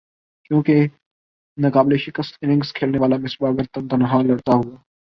کیونکہکی ناقابل شکست اننگز کھیلنے والا مصباح اگر تن تنہا لڑتا ہوا